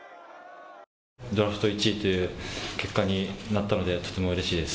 ドラフト１位という結果になってとてもうれしいです。